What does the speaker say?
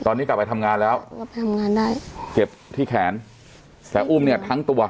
ตอนนี้กลับไปทำงานแล้วกลับไปทำงานได้เจ็บที่แขนแต่อุ้มเนี่ยทั้งตัว